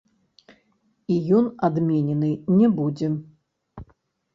І ён адменены не будзе.